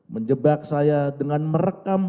menjebak saya dengan merekam